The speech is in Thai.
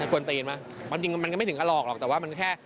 ควรตีเห็นไหมความจริงมันก็ไม่ถึงกระหลอกหรอกแต่ว่ามันแค่